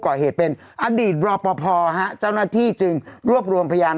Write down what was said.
ก่อเหตุเป็นอดีตรอปภฮะเจ้าหน้าที่จึงรวบรวมพยาน